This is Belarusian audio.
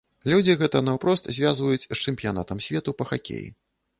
Людзі гэта наўпрост звязваюць з чэмпіянатам свету па хакеі.